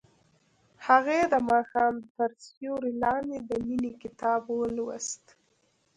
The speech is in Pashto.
هغې د ماښام تر سیوري لاندې د مینې کتاب ولوست.